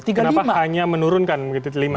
kenapa hanya menurunkan begitu lima tahun ya oke